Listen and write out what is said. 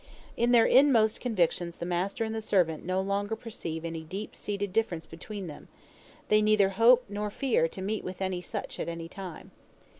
In their inmost convictions the master and the servant no longer perceive any deep seated difference between them, and they neither hope nor fear to meet with any such at any time.